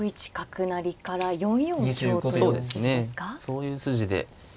そういう筋で。